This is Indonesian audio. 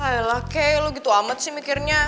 alah kay lo gitu amat sih mikirnya